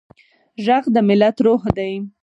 غږ د ملت روح دی